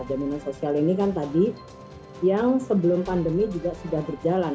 jaminan sosial ini kan tadi yang sebelum pandemi juga sudah berjalan